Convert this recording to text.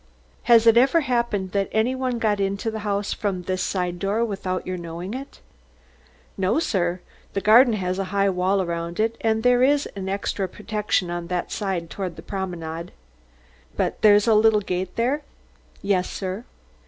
"Has it ever happened that any one got into the house from this side door without your knowing it?" "No, sir. The garden has a high wall around it. And there is extra protection on the side toward the Promenade." "But there's a little gate there?" "Yes, sir."